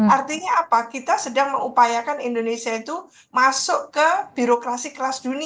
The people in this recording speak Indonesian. artinya apa kita sedang mengupayakan indonesia itu masuk ke birokrasi kelas dunia